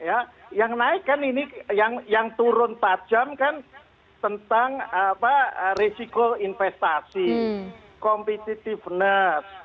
ya yang naik kan ini yang turun tajam kan tentang risiko investasi competitiveness